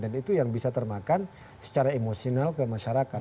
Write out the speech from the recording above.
dan itu yang bisa termakan secara emosional ke masyarakat